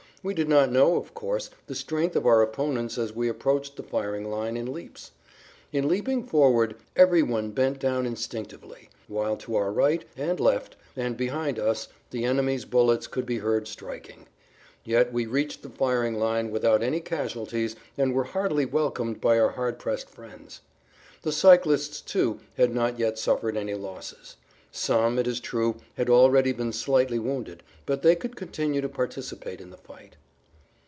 We did not know, of course, the strength of our opponents as we approached the firing line in leaps. In leaping forward every one bent down instinctively, whilst to our right and left and behind us the enemy's bullets could be heard striking; yet we reached the firing line without any casualties and were heartily welcomed by our hard pressed friends. The cyclists, too, had not yet suffered any losses; some, it is true, had already been slightly wounded, but they could continue to participate in the fight.